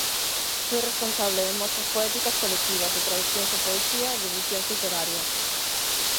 Foi responsable de mostras poéticas colectivas, de traducións de poesía e de edicións literarias.